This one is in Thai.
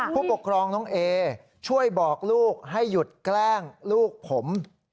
ผู้ปกครองน้องเอช่วยบอกลูกให้หยุดแกล้งลูกผม